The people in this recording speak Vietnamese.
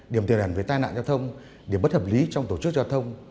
điểm tiềm ẩn về tai nạn giao thông điểm bất hợp lý trong tổ chức giao thông